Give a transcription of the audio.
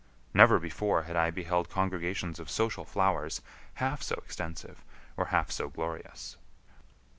Never before had I beheld congregations of social flowers half so extensive or half so glorious.